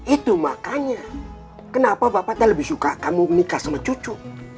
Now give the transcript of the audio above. itu makanya kenapa bapak lebih suka kamu menikah sama cucu